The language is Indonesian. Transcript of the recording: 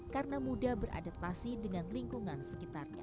karena mudah beradaptasi dengan lingkungan sekitarnya